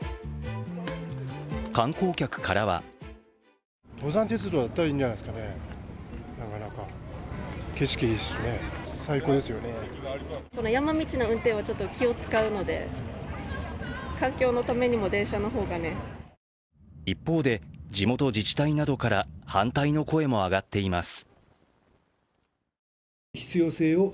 観光客からは一方で地元自治体などから反対の声も上がっています。